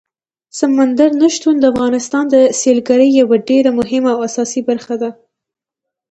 سمندر نه شتون د افغانستان د سیلګرۍ یوه ډېره مهمه او اساسي برخه ده.